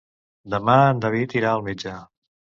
Demà en David irà al metge.